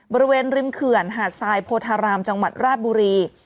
บริเวณริมเขื่อนหาดทรายโพธารามจังหวัดราชบุรี